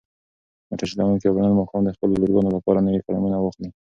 موټر چلونکی به نن ماښام د خپلو لورګانو لپاره نوې قلمونه واخلي.